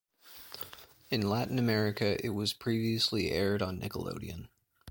In Latin America, it was previously aired on Nickelodeon.